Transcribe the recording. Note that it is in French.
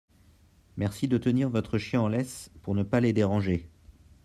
Merci de tenir votre chien en laisse pour ne pas les déranger.